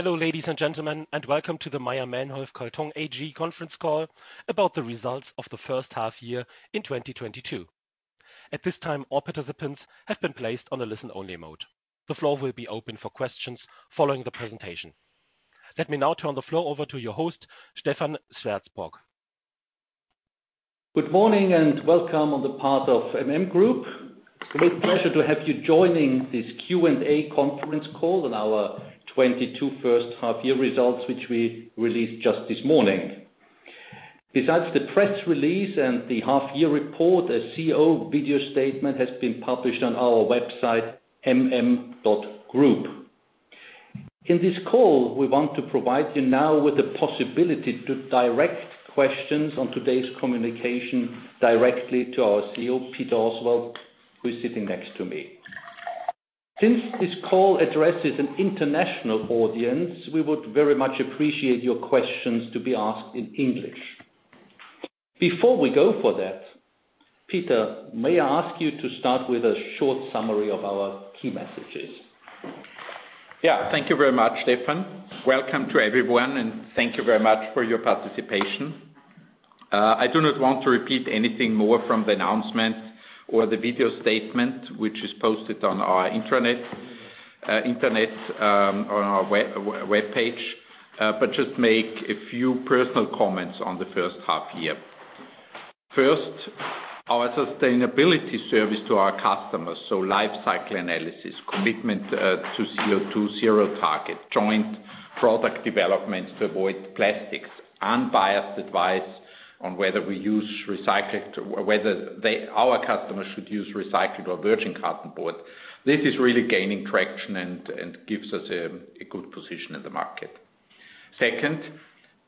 Hello, ladies and gentlemen, and welcome to the Mayr-Melnhof Karton AG conference call about the results of the first half year in 2022. At this time, all participants have been placed on a listen-only mode. The floor will be open for questions following the presentation. Let me now turn the floor over to your host, Stephan Sweerts-Sporck. Good morning and welcome on the part of MM Group. It's a great pleasure to have you joining this Q&A conference call on our 2022 first half year results, which we released just this morning. Besides the press release and the half year report, a CEO video statement has been published on our website, mm.group. In this call, we want to provide you now with the possibility to direct questions on today's communication directly to our CEO, Peter Oswald, who is sitting next to me. Since this call addresses an international audience, we would very much appreciate your questions to be asked in English. Before we go for that, Peter, may I ask you to start with a short summary of our key messages? Yeah. Thank you very much, Stephan. Welcome to everyone, and thank you very much for your participation. I do not want to repeat anything more from the announcement or the video statement, which is posted on our website, but just make a few personal comments on the first half year. First, our sustainability service to our customers, so life cycle analysis, commitment to CO2 zero target, joint product developments to avoid plastics, unbiased advice on whether our customers should use recycled or virgin cartonboard. This is really gaining traction and gives us a good position in the market. Second,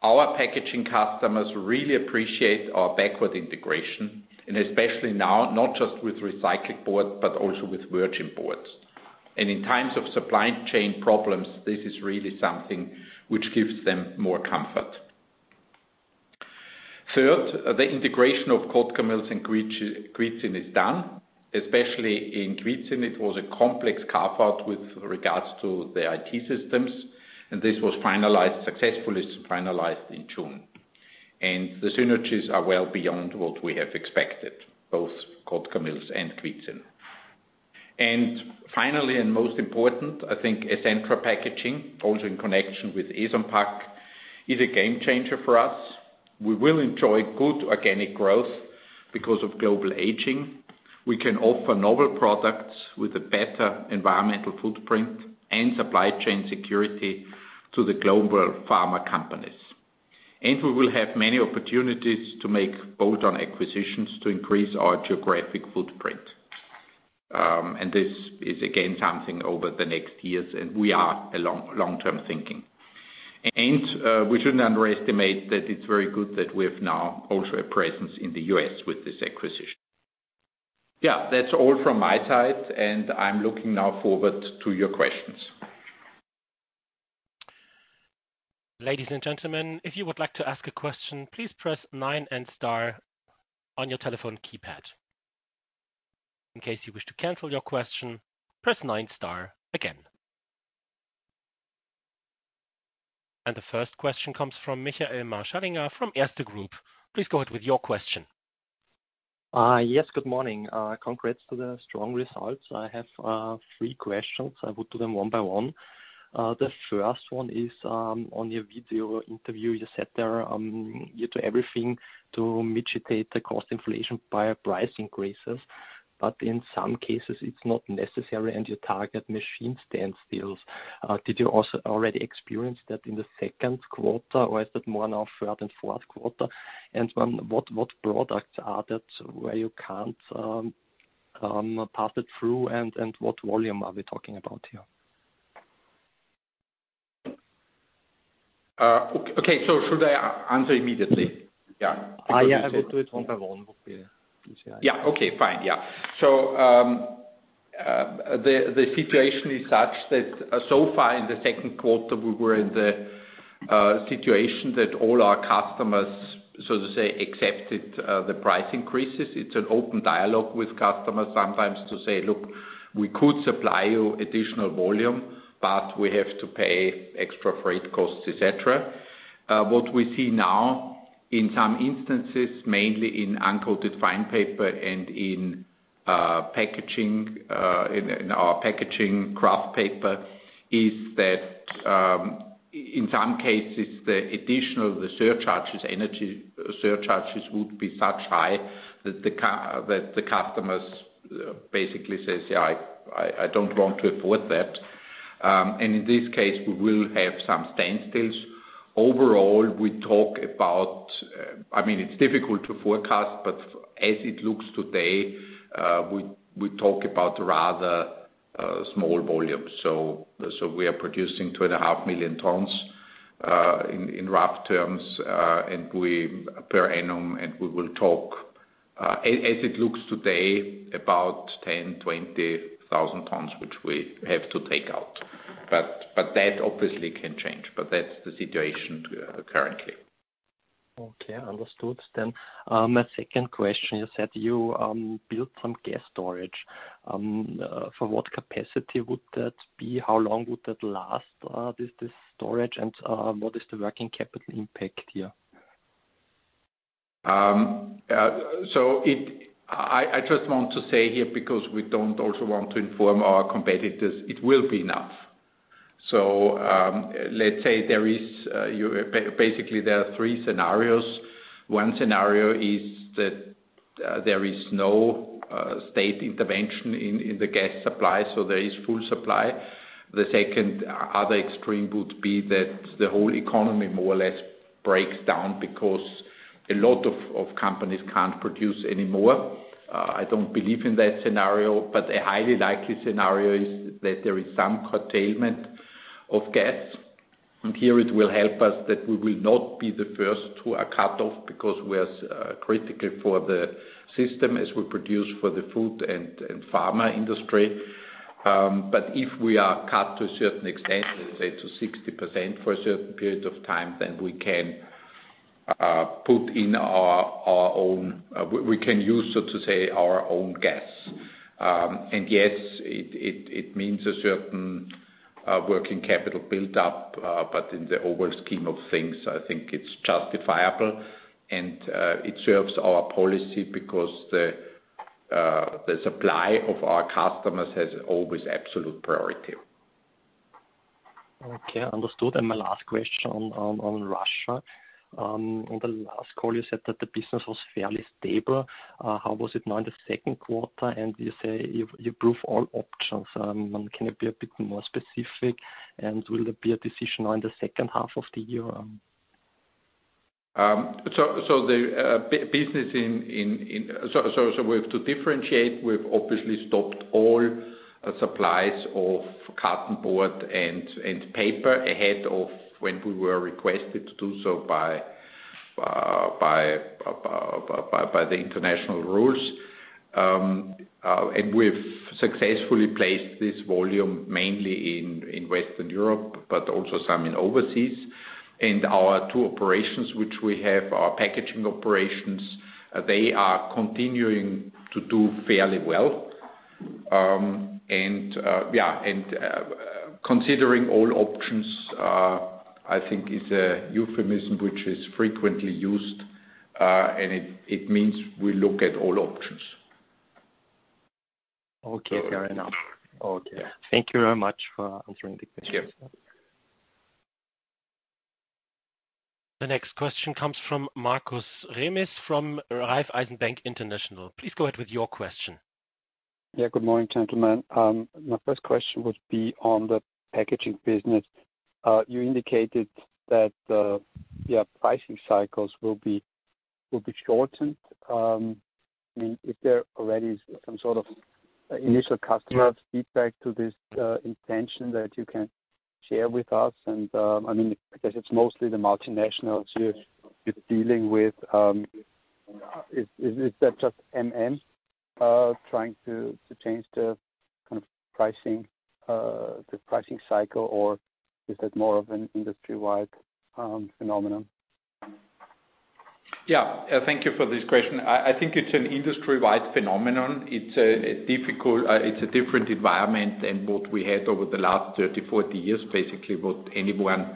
our packaging customers really appreciate our backward integration, and especially now, not just with recycled board, but also with virgin boards. In times of supply chain problems, this is really something which gives them more comfort. Third, the integration of Kotkamills and Kwidzyn is done, especially in Kwidzyn. It was a complex carve-out with regards to the IT systems, and this was finalized, successfully finalized in June. The synergies are well beyond what we have expected, both Kotkamills and Kwidzyn. Finally, and most important, I think Essentra Packaging, also in connection with Eson Pac, is a game changer for us. We will enjoy good organic growth because of global aging. We can offer novel products with a better environmental footprint and supply chain security to the global pharma companies. We will have many opportunities to make bolt-on acquisitions to increase our geographic footprint. This is again something over the next years, and we are a long-term thinking. We shouldn't underestimate that it's very good that we have now also a presence in the U.S. with this acquisition. Yeah, that's all from my side, and I'm looking now forward to your questions. Ladies and gentlemen, if you would like to ask a question, please press nine and star on your telephone keypad. In case you wish to cancel your question, press nine star again. The first question comes from Michael Marschallinger from Erste Group. Please go ahead with your question. Yes, good morning. Congrats to the strong results. I have three questions. I'll put them one by one. The first one is, on your video interview, you said there, you do everything to mitigate the cost inflation by price increases, but in some cases it's not necessary and you target machine standstills. Did you also already experience that in the second quarter, or is that more now throughout in fourth quarter? What products are that where you can't pass it through and what volume are we talking about here? Okay. Should I answer immediately? Yeah. Yeah. I will do it one by one. Yeah. The situation is such that so far in the second quarter, we were in the situation that all our customers, so to say, accepted the price increases. It's an open dialogue with customers sometimes to say, "Look, we could supply you additional volume, but we have to pay extra freight costs, et cetera." What we see now in some instances, mainly in uncoated fine paper and in packaging, in our packaging kraft paper, is that in some cases, the additional surcharges, energy surcharges would be so high that the customers basically says, "Yeah, I don't want to afford that." In this case, we will have some standstills. Overall, we talk about, I mean, it's difficult to forecast, but as it looks today, we talk about rather small volumes. We are producing 2.5 million tons in rough terms per annum, and as it looks today, about 10,000-20,000 tons, which we have to take out. That obviously can change, that's the situation currently. Okay, understood. My second question is that you built some gas storage. For what capacity would that be? How long would that last, this storage? And what is the working capital impact here? I just want to say here, because we don't also want to inform our competitors, it will be enough. Let's say there is basically there are three scenarios. One scenario is that there is no state intervention in the gas supply, so there is full supply. The second, other extreme would be that the whole economy more or less breaks down because a lot of companies can't produce anymore. I don't believe in that scenario, but a highly likely scenario is that there is some curtailment of gas. Here it will help us that we will not be the first to a cut-off because we are critical for the system as we produce for the food and pharma industry. If we are cut to a certain extent, let's say to 60% for a certain period of time, then we can put in our own. We can use, so to say, our own gas. Yes, it means a certain working capital build-up, but in the overall scheme of things, I think it's justifiable. It serves our policy because the supply of our customers has always absolute priority. Okay, understood. My last question on Russia. On the last call, you said that the business was fairly stable. How was it now in the second quarter? You say you pursue all options. Can you be a bit more specific? Will there be a decision on the second half of the year? We have to differentiate. We've obviously stopped all supplies of cartonboard and paper ahead of when we were requested to do so by the international rules. We've successfully placed this volume mainly in Western Europe, but also some in overseas. Our two operations, which we have, our packaging operations, they are continuing to do fairly well. Considering all options, I think is a euphemism which is frequently used, and it means we look at all options. Okay, fair enough. Okay. Thank you very much for answering the questions. Cheers. The next question comes from Markus Remis from Raiffeisen Bank International. Please go ahead with your question. Yeah, good morning, gentlemen. My first question would be on the packaging business. You indicated that, yeah, pricing cycles will be shortened. I mean, is there already some sort of initial customer feedback to this intention that you can share with us? I mean, because it's mostly the multinationals you're dealing with, is that just MM trying to change the kind of pricing the pricing cycle, or is that more of an industry-wide phenomenon? Yeah. Thank you for this question. I think it's an industry-wide phenomenon. It's a different environment than what we had over the last 30, 40 years, basically what anyone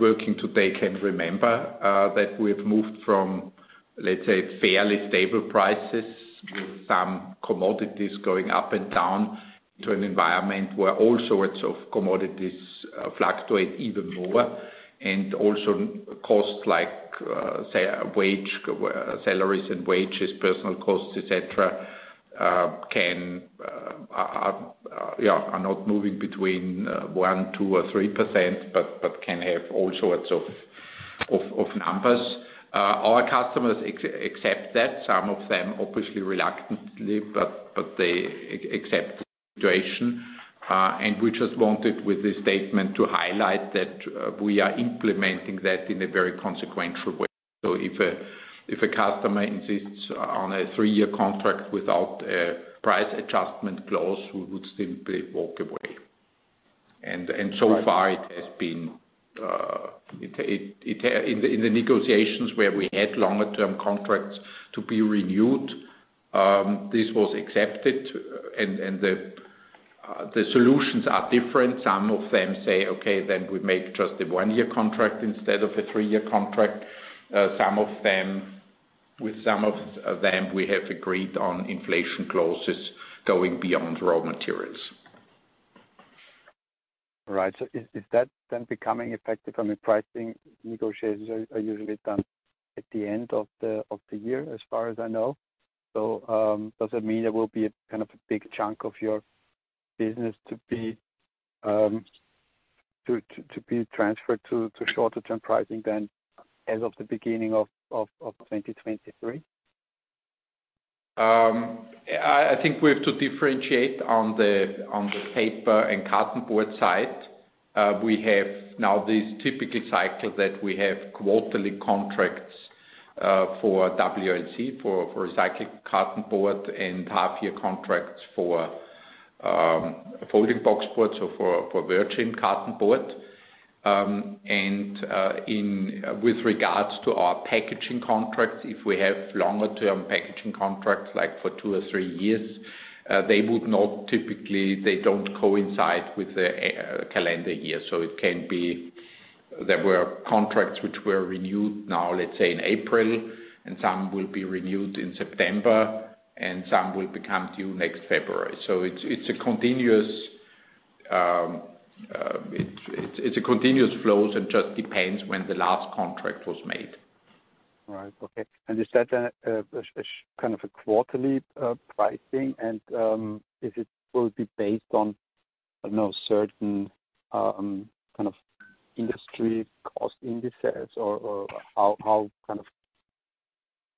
working today can remember. That we've moved from, let's say, fairly stable prices with some commodities going up and down to an environment where all sorts of commodities fluctuate even more. Also costs like, say, wages, salaries and wages, personnel costs, et cetera, are not moving between 1%, 2%, or 3%, but can have all sorts of numbers. Our customers accept that. Some of them, obviously reluctantly, but they accept the situation. We just wanted, with this statement, to highlight that we are implementing that in a very consequential way. If a customer insists on a three-year contract without a price adjustment clause, we would simply walk away. So far, in the negotiations where we had longer term contracts to be renewed, this was accepted, and the solutions are different. Some of them say, "Okay, then we make just a one-year contract instead of a three-year contract." With some of them, we have agreed on inflation clauses going beyond raw materials. Right. Is that then becoming effective? I mean, pricing negotiations are usually done at the end of the year, as far as I know. Does that mean there will be a kind of big chunk of your business to be transferred to shorter-term pricing then as of the beginning of 2023? I think we have to differentiate on the paper and cartonboard side. We have now this typical cycle that we have quarterly contracts for WLC, for recycled cartonboard and half-year contracts for folding boxboard, so for virgin cartonboard. With regards to our packaging contracts, if we have longer term packaging contracts, like for two or three years, they would not typically, they don't coincide with the calendar year. It can be. There were contracts which were renewed now, let's say in April, and some will be renewed in September, and some will become due next February. It's a continuous flow. It just depends when the last contract was made. Right. Okay. Is that a kind of quarterly pricing? If it will be based on, I don't know, certain kind of industry cost indices or how kind of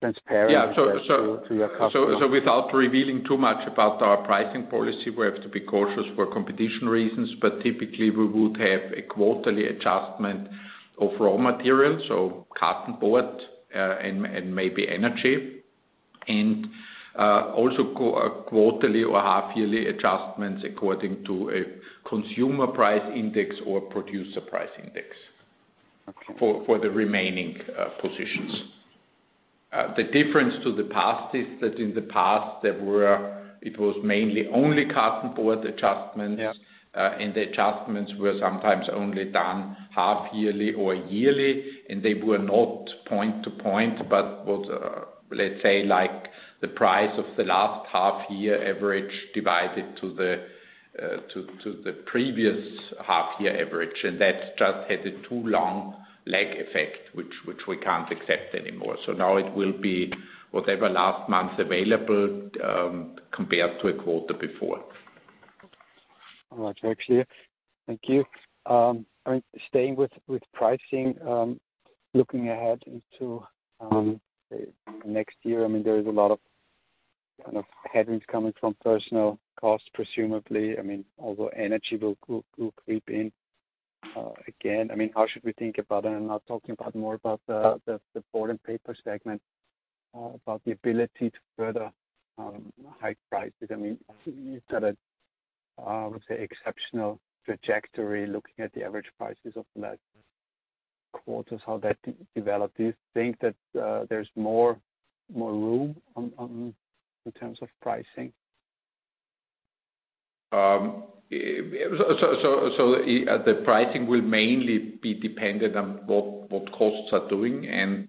transparent is that to your customers? Without revealing too much about our pricing policy, we have to be cautious for competition reasons. Typically, we would have a quarterly adjustment of raw materials, so cartonboard and maybe energy. Also quarterly or half-yearly adjustments according to a consumer price index or producer price index. Okay. For the remaining positions. The difference to the past is that in the past, it was mainly only cartonboard adjustments. Yeah. The adjustments were sometimes only done half-yearly or yearly, and they were not point to point, but were, let's say, like the price of the last half year average divided by the previous half year average. That just had a too long lag effect, which we can't accept anymore. Now it will be the last month available compared to a quarter before. All right. Actually, thank you. I mean, staying with pricing, looking ahead into next year, I mean, there is a lot of kind of headwinds coming from personnel costs, presumably. I mean, although energy will creep in again. I mean, how should we think about it? I'm not talking more about the board and paper segment, about the ability to further hike prices. I mean, you've got a, I would say, exceptional trajectory looking at the average prices of the last quarters, how that developed. Do you think that there's more room in terms of pricing? The pricing will mainly be dependent on what costs are doing.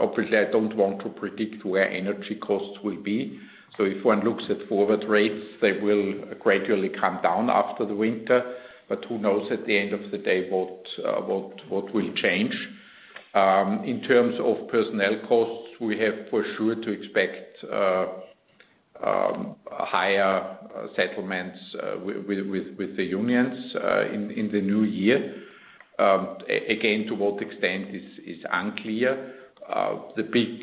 Obviously, I don't want to predict where energy costs will be. If one looks at forward rates, they will gradually come down after the winter. Who knows at the end of the day, what will change. In terms of personnel costs, we have for sure to expect higher settlements with the unions in the new year. Again, to what extent is unclear. The big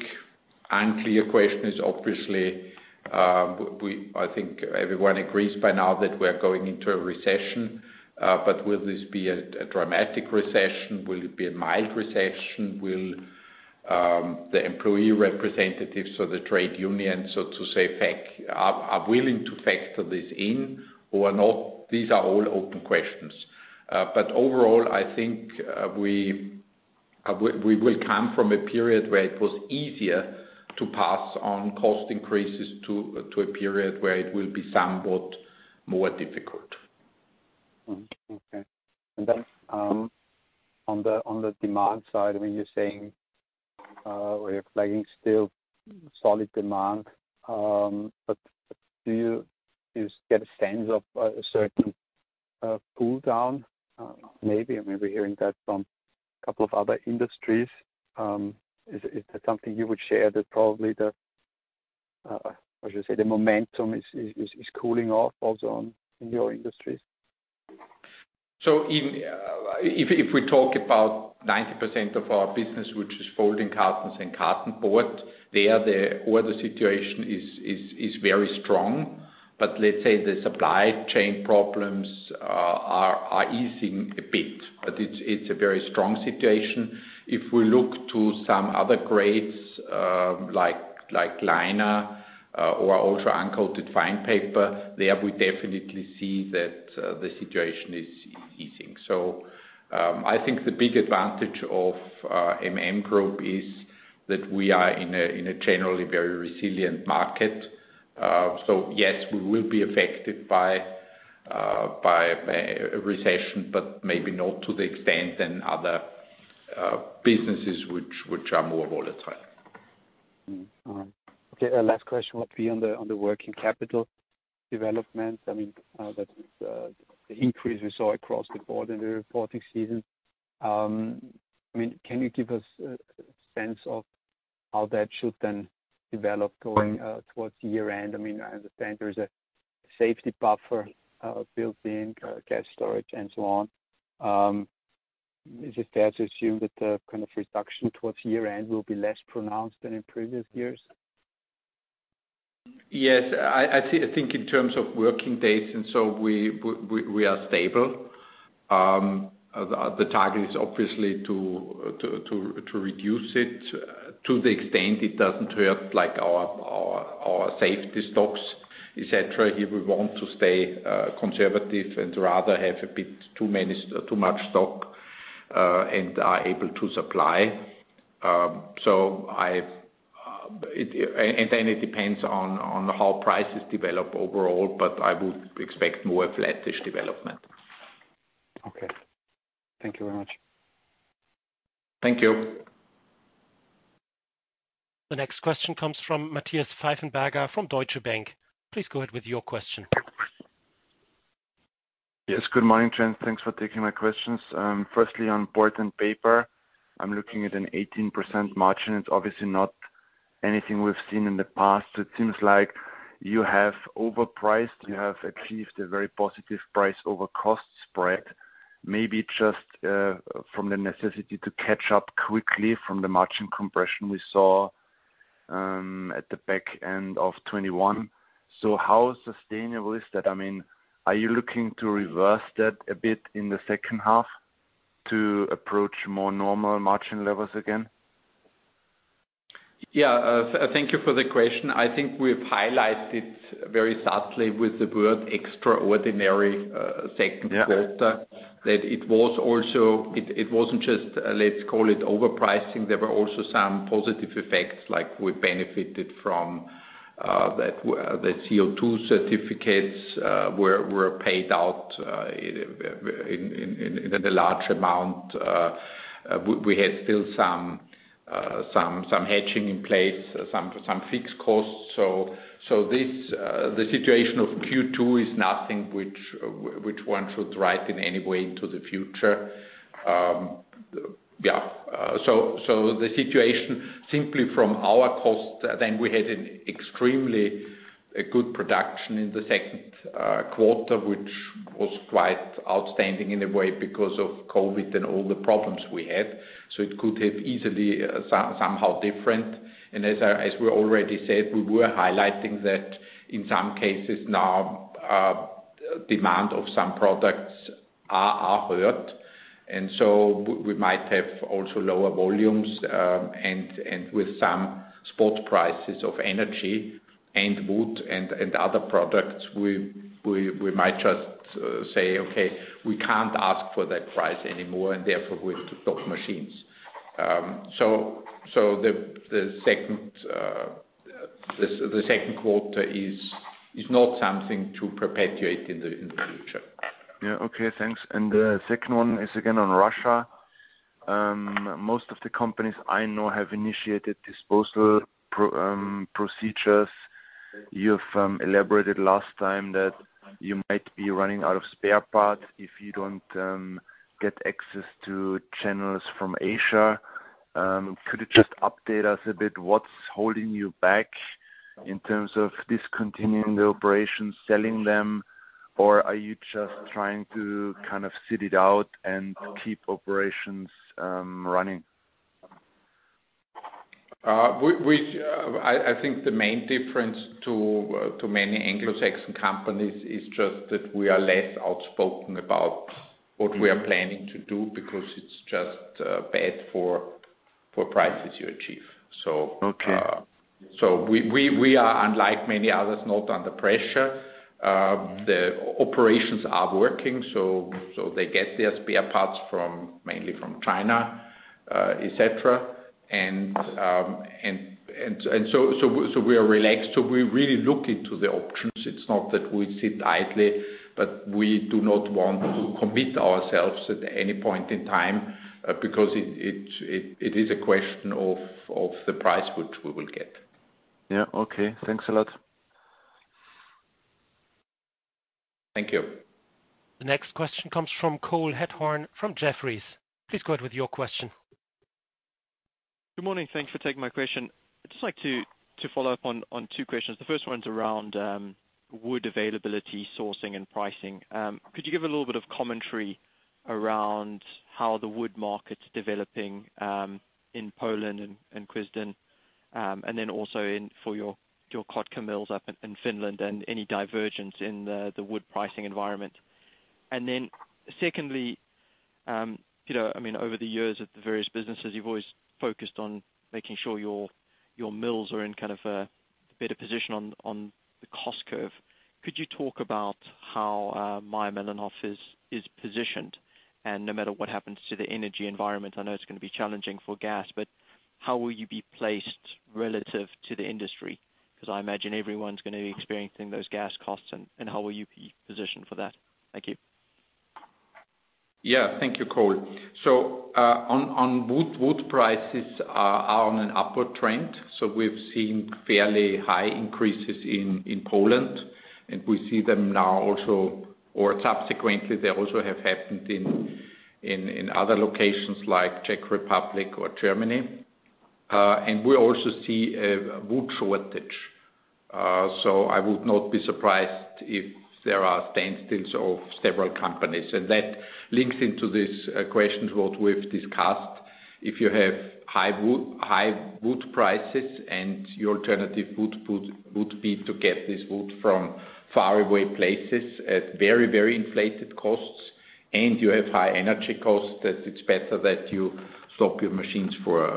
unclear question is obviously, I think everyone agrees by now that we are going into a recession, but will this be a dramatic recession? Will it be a mild recession? Will the employee representatives or the trade unions, so to say, are willing to factor this in or not? These are all open questions. Overall, I think, we will come from a period where it was easier to pass on cost increases to a period where it will be somewhat more difficult. Mm-hmm. Okay. On the demand side, I mean, you're saying, or you're flagging still solid demand. But do you get a sense of a certain pull down, maybe? I mean, we're hearing that from a couple of other industries. Is that something you would share that probably the, how should I say, the momentum is cooling off also in your industries? Even if we talk about 90% of our business, which is folding cartons and cartonboard, there the order situation is very strong. Let's say the supply chain problems are easing a bit, but it's a very strong situation. If we look to some other grades, like liner or other uncoated fine paper, there we definitely see that the situation is easing. I think the big advantage of MM Group is that we are in a generally very resilient market. Yes, we will be affected by a recession, but maybe not to the extent than other businesses which are more volatile. Okay. Last question will be on the working capital development. I mean, that the increase we saw across the board in the reporting season. I mean, can you give us a sense of how that should then develop going towards the year-end? I mean, I understand there's a safety buffer built in gas storage and so on. Is it fair to assume that the kind of reduction towards year-end will be less pronounced than in previous years? Yes, I see. I think in terms of working days and so we are stable. The target is obviously to reduce it to the extent it doesn't hurt like our safety stocks, et cetera. Here we want to stay conservative and rather have a bit too many, too much stock and are able to supply. It depends on how prices develop overall, but I would expect more flattish development. Okay. Thank you very much. Thank you. The next question comes from Matthias Pfeifenberger from Deutsche Bank. Please go ahead with your question. Yes. Good morning, Peter Oswald. Thanks for taking my questions. Firstly, on Board & Paper, I'm looking at an 18% margin. It's obviously not anything we've seen in the past. It seems like you have achieved a very positive price over cost spread, maybe just from the necessity to catch up quickly from the margin compression we saw at the back end of 2021. How sustainable is that? I mean, are you looking to reverse that a bit in the second half to approach more normal margin levels again? Yeah. Thank you for the question. I think we've highlighted very subtly with the word extraordinary second quarter that it was also. It wasn't just, let's call it overpricing. There were also some positive effects, like we benefited from that the CO2 certificates were paid out in a large amount. We had still some hedging in place, some fixed costs. This the situation of Q2 is nothing which one should write in any way into the future. Yeah. The situation simply from our cost, then we had an extremely good production in the second quarter, which was quite outstanding in a way because of COVID and all the problems we had. It could have easily somehow different. As we already said, we were highlighting that in some cases now, demand of some products are hurt. We might have also lower volumes, and with some spot prices of energy and wood and other products, we might just say, "Okay, we can't ask for that price anymore, and therefore we have to stop machines." The second quarter is not something to perpetuate in the future. Yeah. Okay. Thanks. The second one is again on Russia. Most of the companies I know have initiated disposal procedures. You've elaborated last time that you might be running out of spare parts if you don't get access to channels from Asia. Could you just update us a bit, what's holding you back in terms of discontinuing the operations, selling them? Or are you just trying to kind of sit it out and keep operations running? I think the main difference to many Anglo-Saxon companies is just that we are less outspoken about what we are planning to do because it's just bad for prices you achieve. Okay. We are, unlike many others, not under pressure. The operations are working, so they get their spare parts from, mainly from China, et cetera. We are relaxed. We really look into the options. It's not that we sit idly, but we do not want to commit ourselves at any point in time, because it is a question of the price which we will get. Yeah. Okay. Thanks a lot. Thank you. The next question comes from Cole Hathorn from Jefferies. Please go ahead with your question. Good morning. Thanks for taking my question. I'd just like to follow up on two questions. The first one's around wood availability, sourcing and pricing. Could you give a little bit of commentary around how the wood market's developing in Poland and Kwidzyn, and then also in for your Kotkamills up in Finland and any divergence in the wood pricing environment? Then secondly, you know, I mean, over the years at the various businesses, you've always focused on making sure your mills are in kind of a better position on the cost curve. Could you talk about how Mayr-Melnhof is positioned? No matter what happens to the energy environment, I know it's gonna be challenging for gas, but how will you be placed relative to the industry? Because I imagine everyone's gonna be experiencing those gas costs and how will you be positioned for that? Thank you. Yeah. Thank you, Cole. On wood prices are on an upward trend. We've seen fairly high increases in Poland, and we see them now also, or subsequently, they also have happened in other locations like Czech Republic or Germany. We also see a wood shortage. I would not be surprised if there are standstill of several companies. That links into this question what we've discussed. If you have high wood prices and your alternative wood would be to get this wood from far away places at very, very inflated costs and you have high energy costs, that it's better that you stop your machines for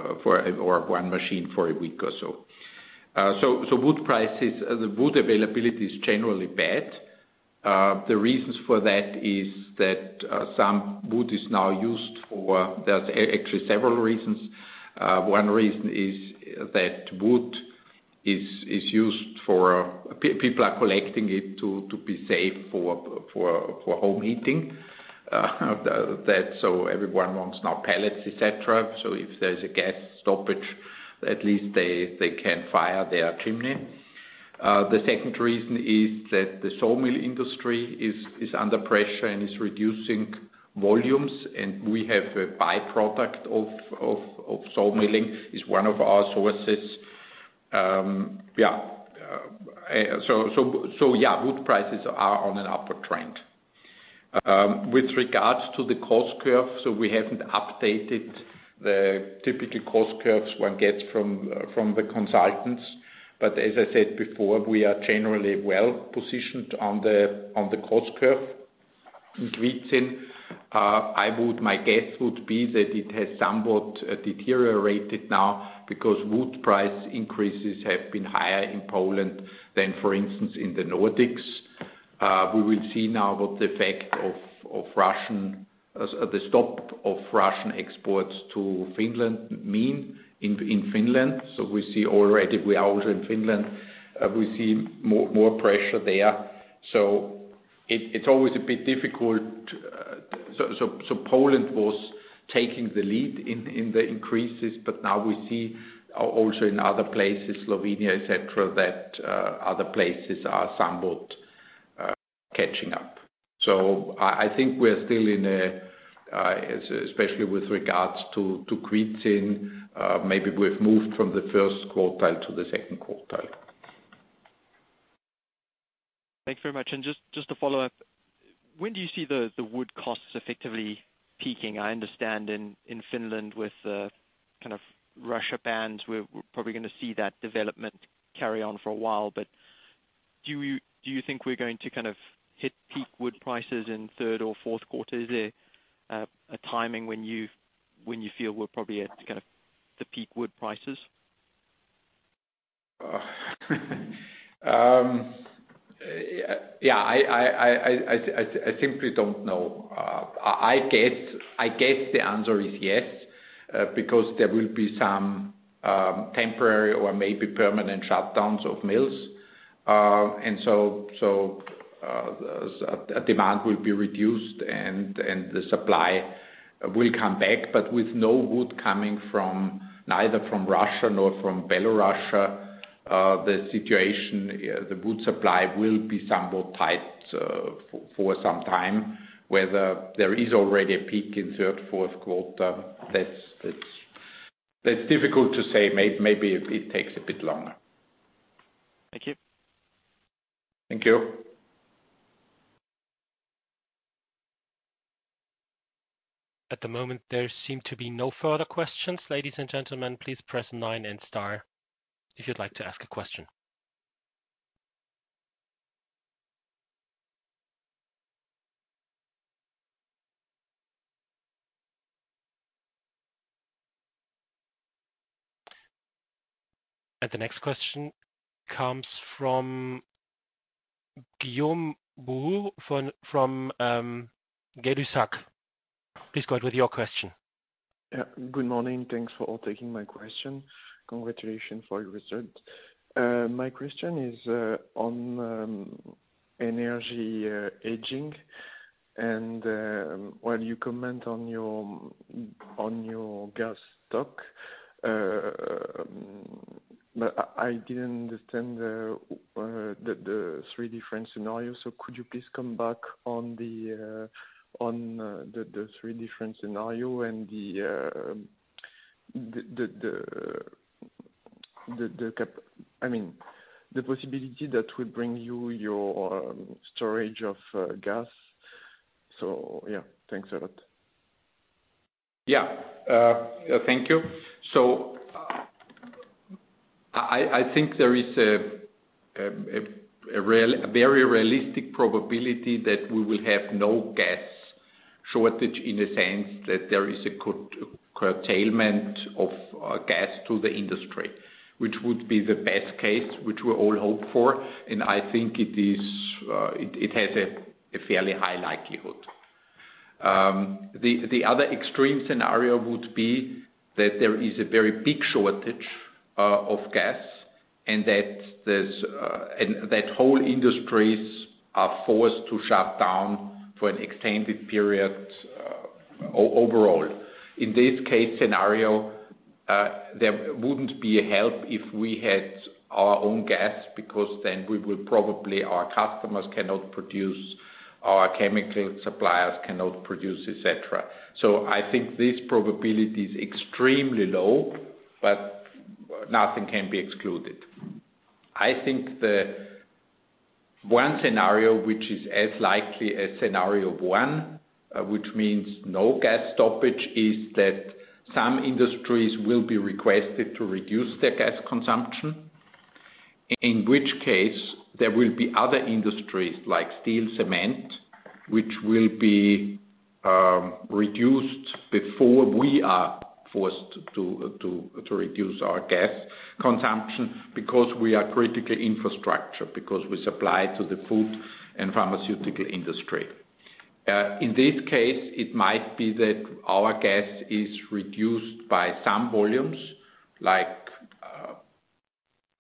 one machine for a week or so. Wood prices, the wood availability is generally bad. There's actually several reasons. One reason is that wood is used for people are collecting it to be safe for home heating. That's so everyone wants now pellets, et cetera. If there's a gas stoppage, at least they can fire their chimney. The second reason is that the sawmill industry is under pressure and is reducing volumes, and we have a by-product of sawmilling is one of our sources. Yeah. So yeah, wood prices are on an upward trend. With regards to the cost curve, we haven't updated the typical cost curves one gets from the consultants. But as I said before, we are generally well-positioned on the cost curve in Kwidzyn. My guess would be that it has somewhat deteriorated now because wood price increases have been higher in Poland than, for instance, in the Nordics. We will see now what the effect of the stop of Russian exports to Finland mean in Finland. We see already, we are also in Finland, we see more pressure there. It's always a bit difficult. Poland was taking the lead in the increases, but now we see also in other places, Slovenia, et cetera, that other places are somewhat catching up. I think we're still in a, especially with regards to Kwidzyn, maybe we've moved from the first quartile to the second quartile. Thanks very much. Just to follow up, when do you see the wood costs effectively peaking? I understand in Finland with the kind of Russian bans, we're probably gonna see that development carry on for a while. Do you think we're going to kind of hit peak wood prices in third or fourth quarter? Is there a timing when you feel we're probably at kind of the peak wood prices? I simply don't know. I guess the answer is yes, because there will be some temporary or maybe permanent shutdowns of mills. Demand will be reduced and the supply will come back. With no wood coming neither from Russia nor from Belarus, the wood supply will be somewhat tight for some time. Whether there is already a peak in third, fourth quarter, that's difficult to say. Maybe it takes a bit longer. Thank you. Thank you. At the moment, there seem to be no further questions, ladies and gentlemen. Please press nine and star if you'd like to ask a question. The next question comes from Guillaume Buhours from Gay-Lussac. Please go ahead with your question. Yeah. Good morning. Thanks for all taking my question. Congratulations for your results. My question is on energy hedging and while you comment on your gas stock, but I didn't understand the three different scenarios. Could you please come back on the three different scenario and I mean, the possibility that will bring you your storage of gas. Yeah, thanks a lot. Yeah. Thank you. I think there is a very realistic probability that we will have no gas shortage in the sense that there is a curtailment of gas to the industry, which would be the best case, which we all hope for. I think it has a fairly high likelihood. The other extreme scenario would be that there is a very big shortage of gas and that whole industries are forced to shut down for an extended period overall. In this case scenario, there wouldn't be a help if we had our own gas because then we will probably our customers cannot produce, our chemical suppliers cannot produce, et cetera. I think this probability is extremely low, but nothing can be excluded. I think the one scenario which is as likely as scenario one, which means no gas stoppage, is that some industries will be requested to reduce their gas consumption. In which case, there will be other industries like steel, cement, which will be reduced before we are forced to reduce our gas consumption because we are critical infrastructure, because we supply to the food and pharmaceutical industry. In this case, it might be that our gas is reduced by some volumes, like,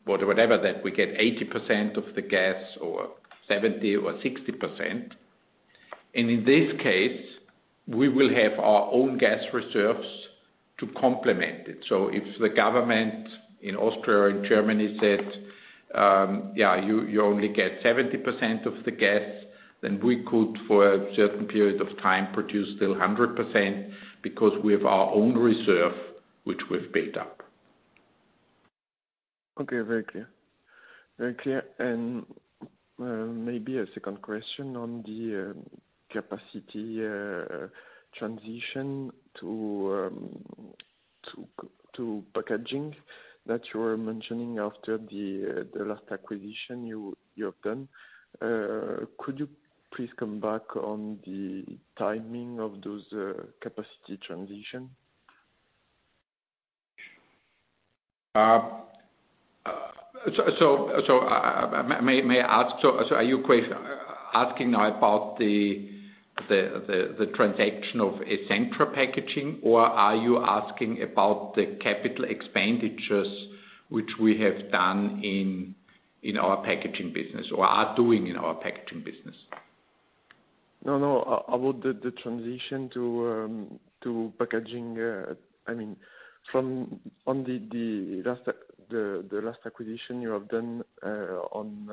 whatever, that we get 80% of the gas or 70% or 60%. In this case, we will have our own gas reserves to complement it. If the government in Austria or in Germany said, "Yeah, you only get 70% of the gas," then we could for a certain period of time produce still 100% because we have our own reserve, which we've built up. Okay. Very clear. Maybe a second question on the capacity transition to packaging that you were mentioning after the last acquisition you have done. Could you please come back on the timing of those capacity transition? May I ask, are you asking now about the transaction of Essentra Packaging, or are you asking about the capital expenditures which we have done in our packaging business or are doing in our packaging business? No, no. About the transition to packaging. I mean, from the last acquisition you have done on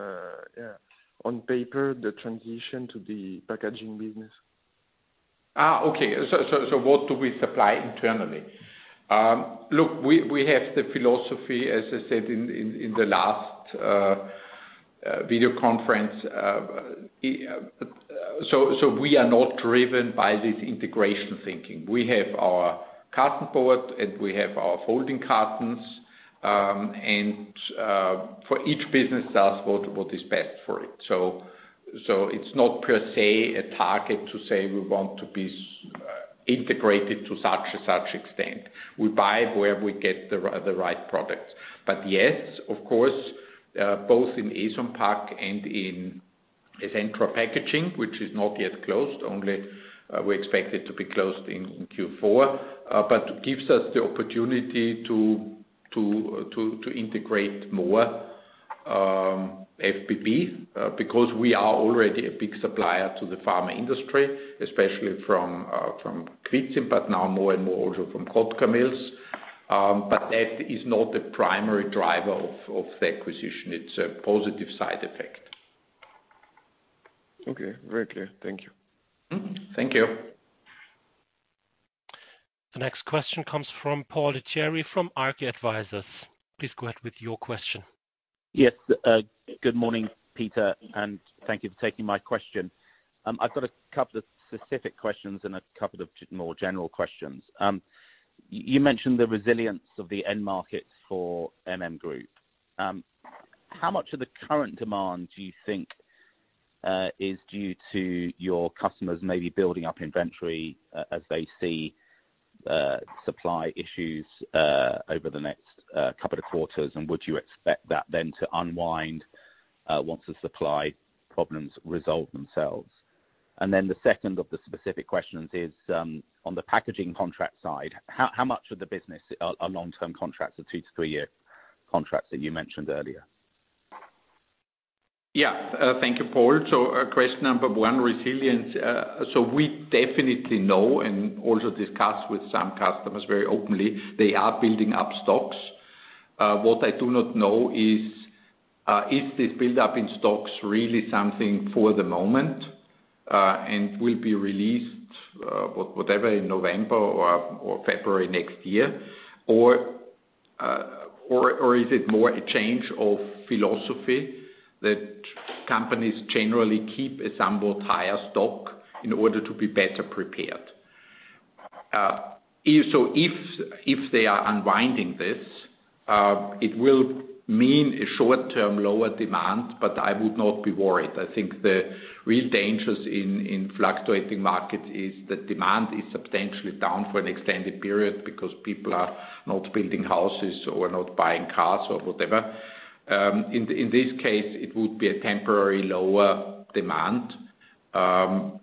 paper, the transition to the packaging business. Okay. What do we supply internally? Look, we have the philosophy, as I said in the last video conference. We are not driven by this integration thinking. We have our cartonboard, and we have our folding cartons, and for each business does what is best for it. It's not per se a target to say we want to be integrated to such and such extent. We buy where we get the right products. Yes, of course, both in Eson Pac and in Essentra Packaging, which is not yet closed, only we expect it to be closed in Q4. Gives us the opportunity to integrate more FBB, because we are already a big supplier to the pharma industry, especially from Kwidzyn, but now more and more also from Kotkamills. That is not the primary driver of the acquisition. It's a positive side effect. Okay. Very clear. Thank you. Mm-hmm. Thank you. The next question comes from Paul de Thierry from Arke Advisers. Please go ahead with your question. Yes. Good morning, Peter, and thank you for taking my question. I've got a couple of specific questions and a couple of just more general questions. You mentioned the resilience of the end markets for MM Group. How much of the current demand do you think is due to your customers maybe building up inventory as they see supply issues over the next couple of quarters? And would you expect that then to unwind once the supply problems resolve themselves? And then the second of the specific questions is on the packaging contract side, how much of the business are long-term contracts, the two-three year contracts that you mentioned earlier? Yeah. Thank you, Paul. Question number one, resilience. We definitely know and also discuss with some customers very openly, they are building up stocks. What I do not know is this build up in stocks really something for the moment, and will be released, whatever, in November or February next year, or is it more a change of philosophy that companies generally keep a somewhat higher stock in order to be better prepared? If they are unwinding this, it will mean a short-term lower demand, but I would not be worried. I think the real dangers in fluctuating market is that demand is substantially down for an extended period because people are not building houses or not buying cars or whatever. In this case, it would be a temporary lower demand, and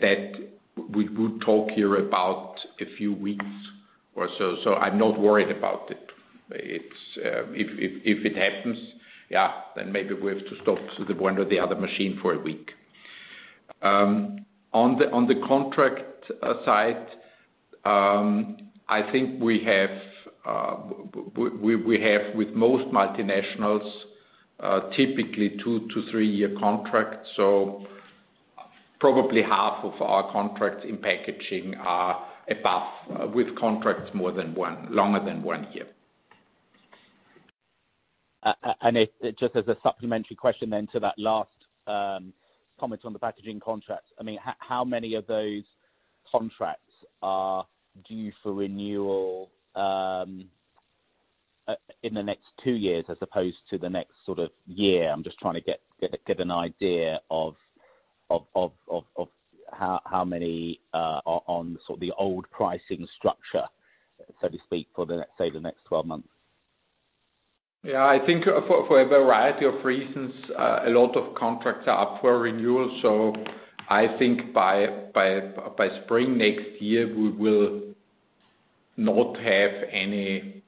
that we would talk here about a few weeks or so. I'm not worried about it. It's if it happens, yeah, then maybe we have to stop the one or the other machine for a week. On the contract side, I think we have with most multinationals typically two-three-year contracts, so probably half of our contracts in packaging are above with contracts longer than one year. Just as a supplementary question then to that last comment on the packaging contracts. How many of those contracts are due for renewal in the next two years as opposed to the next sort of year? I'm just trying to get an idea of how many are on sort of the old pricing structure, so to speak, for the next, say, the next 12 months. Yeah. I think for a variety of reasons, a lot of contracts are up for renewal. I think by spring next year, we will not have any.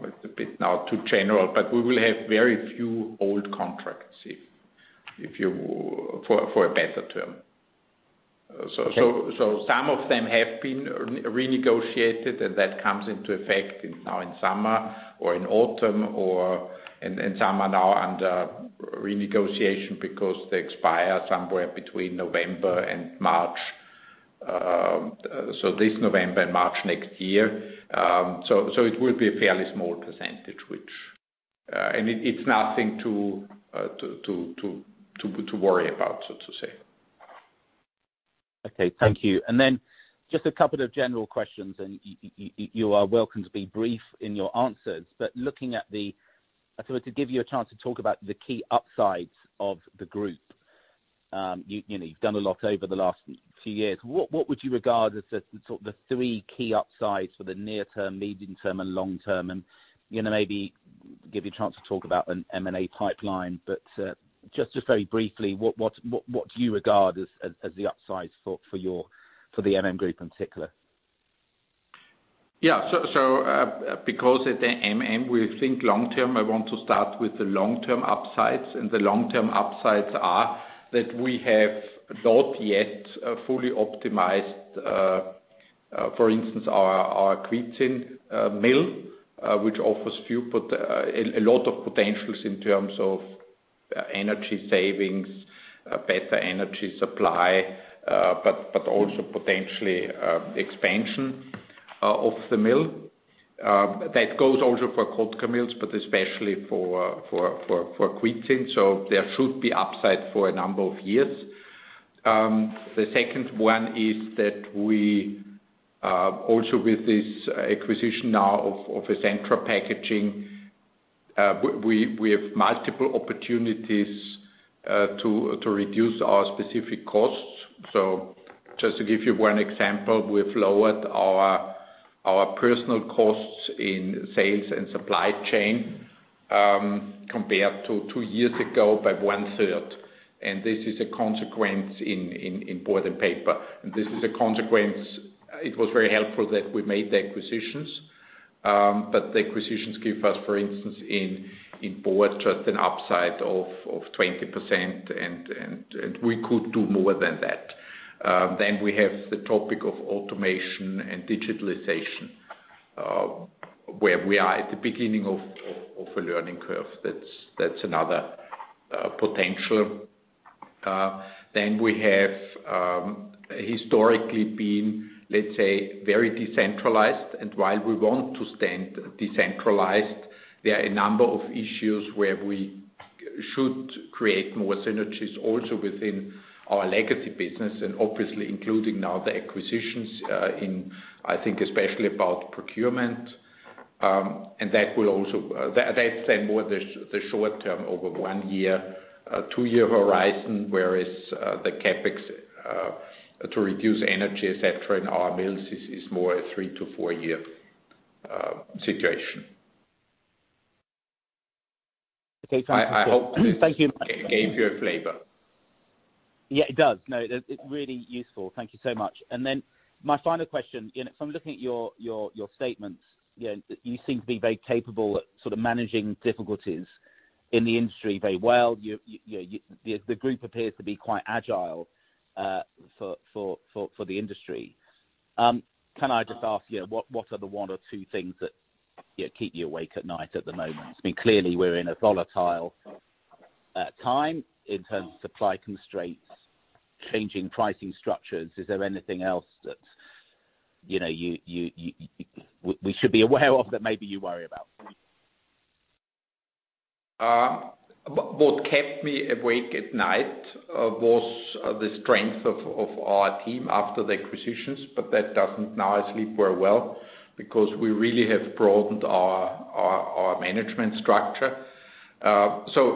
It's a bit too general, but we will have very few old contracts, if you will, for a better term. Okay. Some of them have been renegotiated, and that comes into effect in summer or in autumn. Some are now under renegotiation because they expire somewhere between November and March, this November and March next year. It will be a fairly small percentage, which and it's nothing to worry about, so to say. Okay, thank you. Then just a couple of general questions, and you are welcome to be brief in your answers. To give you a chance to talk about the key upsides of the group, you know, you've done a lot over the last few years. What would you regard as the sort of the three key upsides for the near term, medium term and long term? You know, maybe give you a chance to talk about an M&A pipeline. Just very briefly, what do you regard as the upside for the MM Group in particular? Yeah. Because at the MM, we think long term, I want to start with the long term upsides. The long term upsides are that we have not yet fully optimized, for instance, our Kwidzyn mill, which offers few, but a lot of potentials in terms of energy savings, better energy supply, but also potentially expansion of the mill. That goes also for Kotkamills, but especially for Kwidzyn. There should be upside for a number of years. The second one is that we also with this acquisition now of Essentra Packaging, we have multiple opportunities to reduce our specific costs. Just to give you one example, we've lowered our personnel costs in sales and supply chain compared to two years ago by 1/3. This is a consequence in Board & Paper. It was very helpful that we made the acquisitions, but the acquisitions give us, for instance, in Board, just an upside of 20%, and we could do more than that. We have the topic of automation and digitalization, where we are at the beginning of a learning curve. That's another potential. We have historically been, let's say, very decentralized. While we want to stay decentralized, there are a number of issues where we should create more synergies also within our legacy business and obviously including now the acquisitions, I think especially about procurement. That’s then more the short term over one-year, two-year horizon, whereas the CapEx to reduce energy, et cetera, in our mills is more a three-four-year situation. Okay. I hope that. Thank you. Gave you a flavor. Yeah, it does. No, it's really useful. Thank you so much. My final question, you know, from looking at your statements, you know, you seem to be very capable at sort of managing difficulties in the industry very well. The group appears to be quite agile for the industry. Can I just ask you, what are the one or two things that, you know, keep you awake at night at the moment? I mean, clearly we're in a volatile time in terms of supply constraints, changing pricing structures. Is there anything else that, you know, we should be aware of that maybe you worry about? What kept me awake at night was the strength of our team after the acquisitions, but that doesn't. Now I sleep very well because we really have broadened our management structure.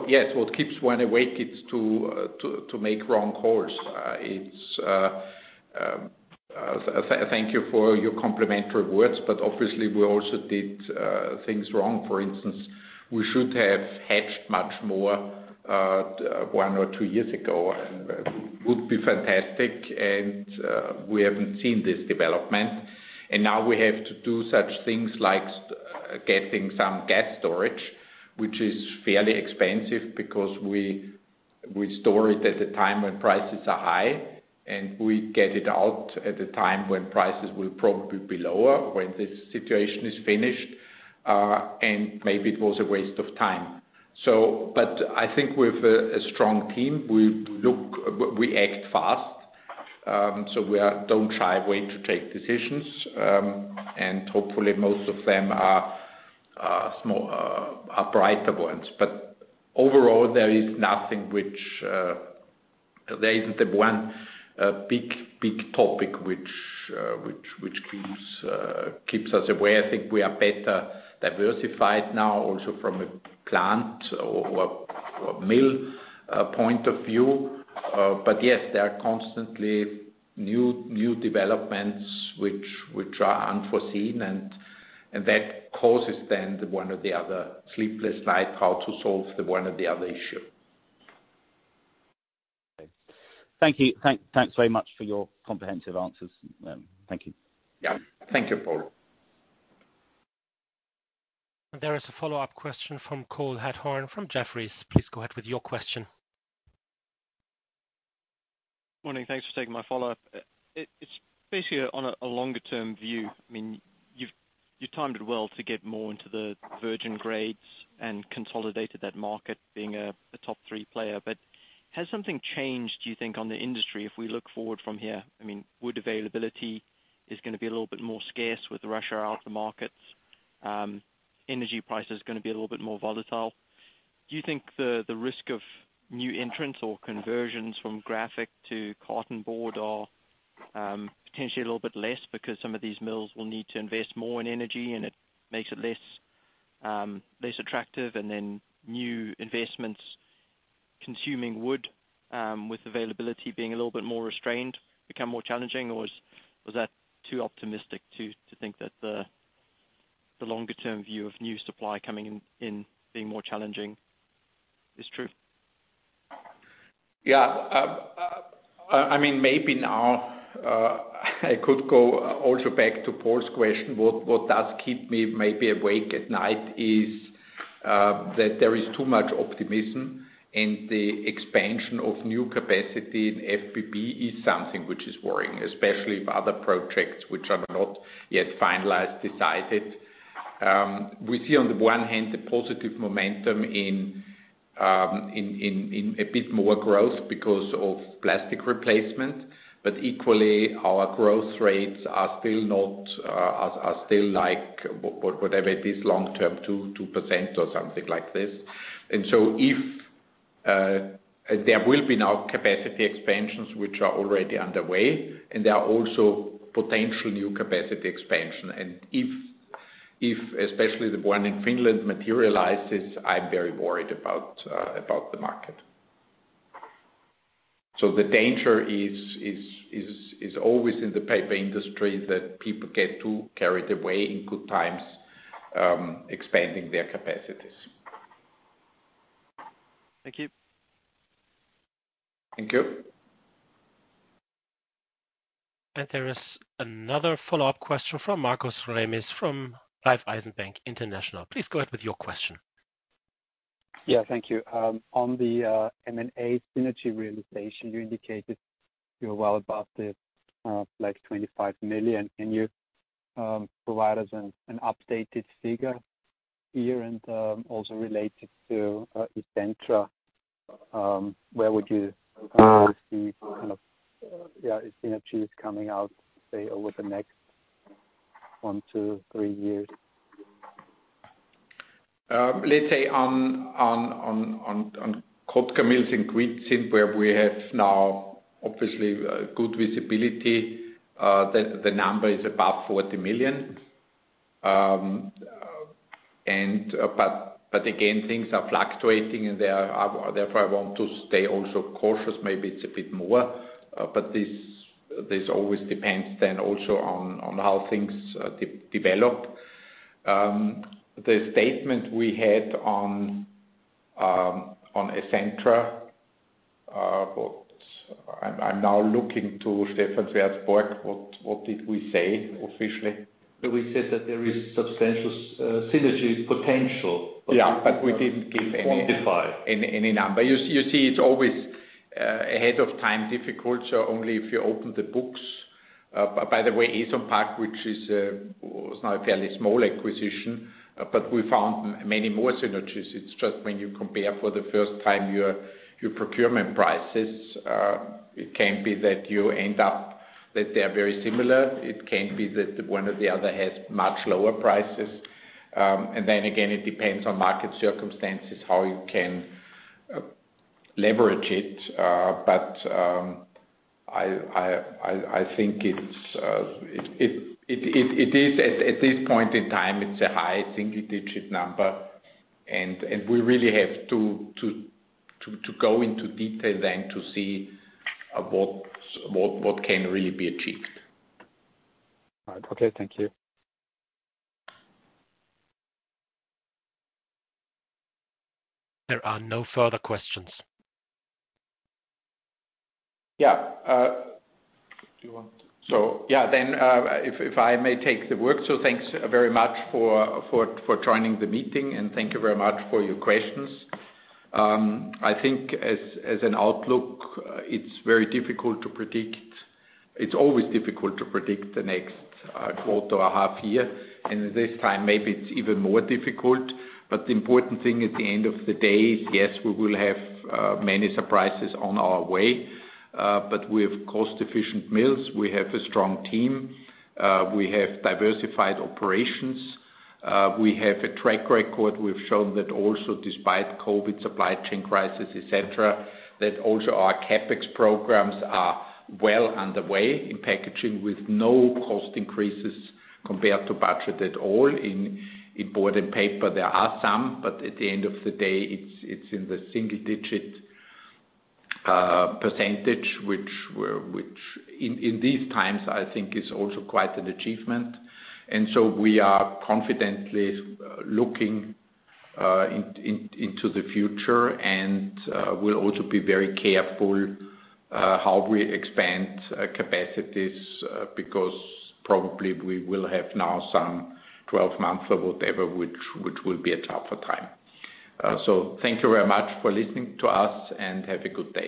Yes, what keeps one awake is to make wrong calls. Thank you for your complimentary words, but obviously we also did things wrong. For instance, we should have hedged much more one or two years ago, and would be fantastic. We haven't seen this development, and now we have to do such things like getting some gas storage, which is fairly expensive because we store it at the time when prices are high, and we get it out at the time when prices will probably be lower when this situation is finished. Maybe it was a waste of time. I think with a strong team, we act fast. We don't shy away to take decisions. Hopefully most of them are small, brighter ones. Overall, there is nothing which there isn't the one big topic which keeps us awake. I think we are better diversified now also from a plant or mill point of view. Yes, there are constantly new developments which are unforeseen, and that causes then the one or the other sleepless night, how to solve the one or the other issue. Thank you. Thanks very much for your comprehensive answers. Thank you. Yeah. Thank you, Paul. There is a follow-up question from Cole Hathorn from Jefferies. Please go ahead with your question. Morning. Thanks for taking my follow-up. It's basically on a longer-term view. I mean, you've timed it well to get more into the virgin grades and consolidated that market being a top three player. Has something changed, do you think, on the industry if we look forward from here? I mean, wood availability is gonna be a little bit more scarce with Russia out of the markets. Energy price is gonna be a little bit more volatile. Do you think the risk of new entrants or conversions from graphic to cartonboard are potentially a little bit less because some of these mills will need to invest more in energy, and it makes it less attractive, and then new investments consuming wood with availability being a little bit more restrained, become more challenging? Was that too optimistic to think that the longer-term view of new supply coming in being more challenging is true? I mean, maybe now I could go also back to Paul's question. What does keep me maybe awake at night is that there is too much optimism, and the expansion of new capacity in FBB is something which is worrying, especially if other projects which are not yet finalized. We see on the one hand the positive momentum in a bit more growth because of plastic replacement. Equally, our growth rates are still like what I made this long term, 2% or something like this. If there will be now capacity expansions which are already underway, and there are also potential new capacity expansion. If especially the one in Finland materializes, I'm very worried about the market. The danger is always in the paper industry that people get too carried away in good times, expanding their capacities. Thank you. Thank you. There is another follow-up question from Markus Remis from Raiffeisen Bank International. Please go ahead with your question. Yeah. Thank you. On the M&A synergy realization, you indicated you're well above the, like, 25 million. Can you provide us an updated figure here and also related to Essentra, where would you see kind of synergies coming out, say, over the next one-three years? Let's say on Kotkamills and Kwidzyn, where we have now obviously good visibility, the number is above 40 million. Again, things are fluctuating, and therefore I want to stay also cautious. Maybe it's a bit more, but this always depends then also on how things develop. The statement we had on Essentra, what I'm now looking to Stephan Sweerts-Sporck, what did we say officially? We said that there is substantial synergy potential. Yeah, we didn't give any. To quantify. Any number. You see, it's always ahead of time difficult. Only if you open the books. By the way, Eson Pac, which was now a fairly small acquisition, but we found many more synergies. It's just when you compare for the first time your procurement prices, it can be that you end up that they are very similar. It can be that one or the other has much lower prices. And then again, it depends on market circumstances, how you can leverage it. But I think it is at this point in time, it's a high single-digit number. We really have to go into detail then to see what can really be achieved. All right. Okay. Thank you. There are no further questions. Yeah. Do you want to? I may take the floor. Thanks very much for joining the meeting, and thank you very much for your questions. I think as an outlook, it's very difficult to predict. It's always difficult to predict the next quarter or half year, and this time maybe it's even more difficult. The important thing at the end of the day is, yes, we will have many surprises on our way, but we have cost-efficient mills. We have a strong team. We have diversified operations. We have a track record. We've shown that also despite COVID supply chain crisis, et cetera, that also our CapEx programs are well underway in packaging with no cost increases compared to budget at all. In Board & Paper, there are some, but at the end of the day, it's in the single-digit percentage, which in these times, I think is also quite an achievement. We are confidently looking into the future, and we'll also be very careful how we expand capacities, because probably we will have now some 12 months or whatever which will be a tougher time. Thank you very much for listening to us, and have a good day.